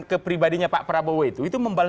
ke pribadinya pak prabowo itu itu